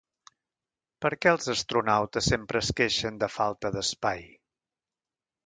Per què els astronautes sempre es queixen de falta d'espai?